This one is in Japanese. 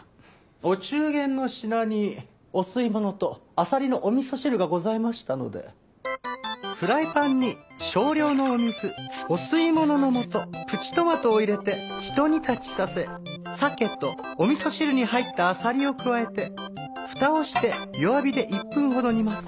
お中元の品にお吸い物とアサリのお味噌汁がございましたのでフライパンに少量のお水お吸い物のもとプチトマトを入れてひと煮立ちさせ鮭とお味噌汁に入ったアサリを加えてふたをして弱火で１分ほど煮ます。